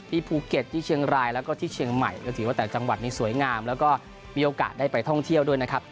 ภูเก็ตที่เชียงรายแล้วก็ที่เชียงใหม่ก็ถือว่าแต่จังหวัดนี้สวยงามแล้วก็มีโอกาสได้ไปท่องเที่ยวด้วยนะครับ